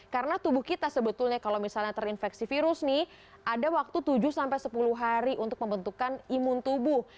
karena tubuh kita sebetulnya kalau misalnya terinfeksi virus nih ada waktu tujuh sampai sepuluh hari untuk membentukkan imun tubuh